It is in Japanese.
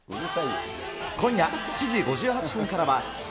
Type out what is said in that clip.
今夜７時５８分からは、笑